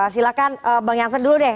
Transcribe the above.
silakan bang yansan dulu deh